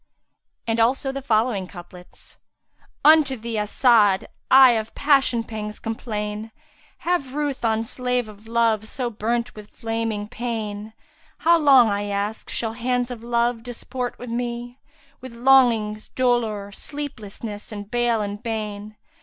And also the following couplets, "Unto thee, As'ad! I of passion pangs complain; * Have ruth on slave of love so burnt with flaming pain: How long, I ask, shall hands of Love disport with me, * With longings, dolour, sleepliness and bale and bane?